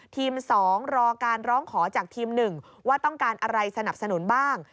๒รอการร้องขอจากทีม๑ว่าต้องการอะไรสนับสนุนบ้าง